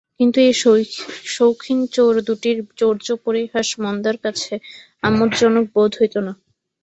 কিন্তু এই শৌখিন চোর দুটির চৌর্যপরিহাস মন্দার কাছে আমোদজনক বোধ হইত না।